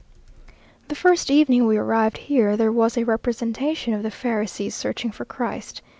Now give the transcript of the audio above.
The first evening we arrived here there was a representation of the Pharisees searching for Christ.